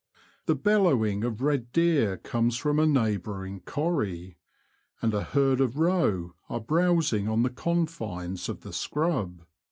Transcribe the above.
The bellowing of red deer comes from a neighbouring corrie, and a herd of roe are browsing on the confines of the scrub.